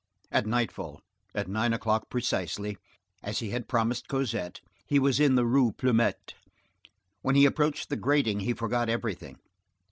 At nightfall, at nine o'clock precisely, as he had promised Cosette, he was in the Rue Plumet. When he approached the grating he forgot everything.